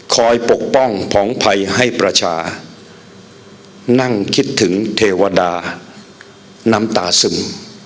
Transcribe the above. ปกป้องผองภัยให้ประชาชนนั่งคิดถึงเทวดาน้ำตาซึม